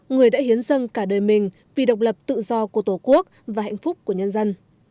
người đã hiến dân cả đời mình vì độc lập tự do của tổ quốc và hạnh phúc của nhân dân